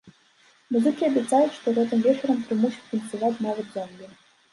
Музыкі абяцаюць, што гэтым вечарам прымусяць танцаваць нават зомбі.